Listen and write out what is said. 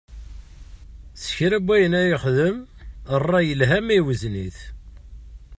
Si kra n wayen ara yexdem, ṛṛay, yelha ma iwzen-it.